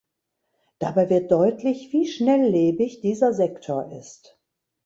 Dabei wird deutlich, wie schnelllebig dieser Sektor ist.